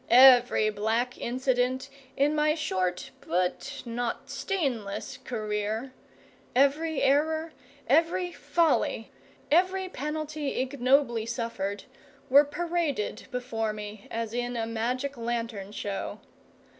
Every black incident in my short, but not stainless, career every error, every folly, every penalty ignobly suffered were paraded before me as in a magic lantern show.